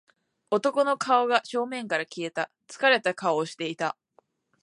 男の顔が正面から見えた。疲れた顔をしていた。